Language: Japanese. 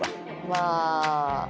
まあ。